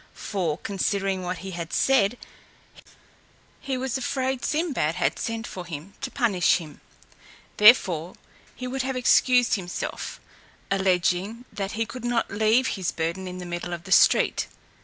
For, considering what he had said, he was afraid Sinbad had sent for him to punish him: therefore he would have excused himself, alleging, that he could not leave his burden in the middle of the street.